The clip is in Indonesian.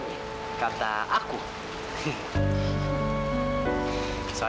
tidak ada apa apa